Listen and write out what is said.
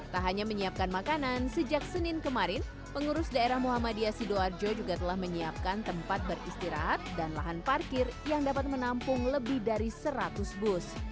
tak hanya menyiapkan makanan sejak senin kemarin pengurus daerah muhammadiyah sidoarjo juga telah menyiapkan tempat beristirahat dan lahan parkir yang dapat menampung lebih dari seratus bus